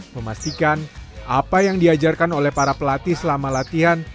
memastikan apa yang diajarkan oleh para pelatih selama latihan